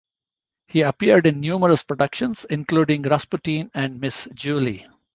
He appeared in numerous productions, including Rasputin and Miss Julie.